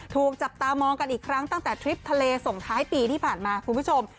ถูกจับตามองกันอีกครั้งตั้งแต่ทริปทะเลส่งท้ายปีที่ผ่านมาคุณผู้ชม